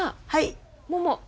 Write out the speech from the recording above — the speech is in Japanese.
はい。